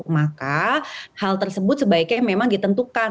maka hal tersebut sebaiknya memang ditentukan